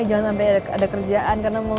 jangan sampai ada kerjaan karena mau